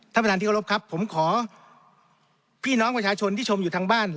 ท่านประธานที่เคารพครับผมขอพี่น้องประชาชนที่ชมอยู่ทางบ้าน